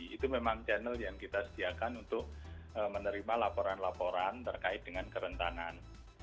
itu memang channel yang kita sediakan untuk menerima laporan laporan terkait dengan kerentanan